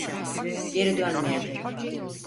Geri dönmeyecek.